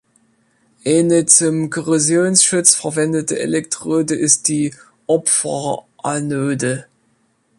Eine zum Korrosionsschutz verwendete Elektrode ist die Opferanode.